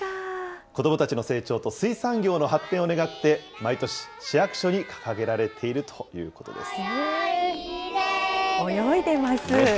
子どもたちの成長と水産業の発展を願って、毎年、市役所に掲げられているということです。